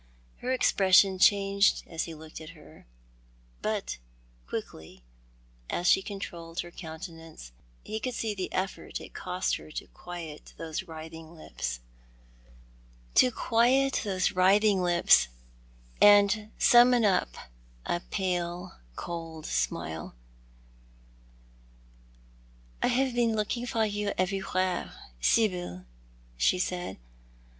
Her expression changed as he looked at her, but quickly as she controlled her countenance, he could see the effort it cost her to quiet those writhing lips, and summon up a pale cold smile. " I have been looking for you everywhere, Sibyl," she said.